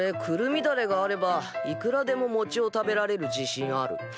くるみだれがあればいくらでももちを食べられる自信ある。